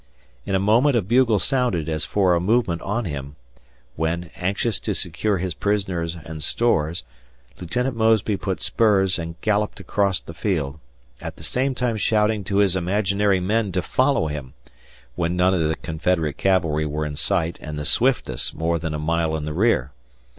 In a moment a bugle sounded as for a movement on him, when, anxious to secure his prisoners and stores, Lieutenant Mosby put spurs and galloped across the field, at the same time shouting to his imaginary men to follow him, when none of the Confederate cavalry were in sight and the swiftest more than a mile in the rear.